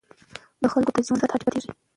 د خلکو د ژوند سطحه ټیټه پاتې کېږي.